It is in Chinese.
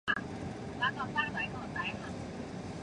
后来他也同意了